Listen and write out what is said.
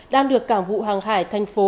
đang được cảng vụ hoàng hải thành phố